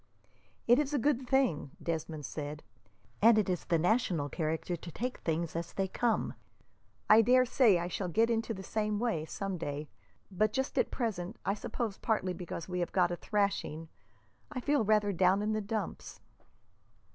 "It is a good thing," Desmond said, "and it is the national character to take things as they come. I dare say I shall get into the same way, some day, but just at present, I suppose partly because we have got a thrashing, I feel rather down in the dumps."